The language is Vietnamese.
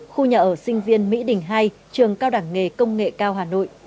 khu nhà ở sinh viên mỹ đình ii trường cao đảng nghề công nghệ cao hà nội